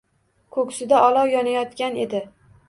Ko’ksida olov yonayotgan edi.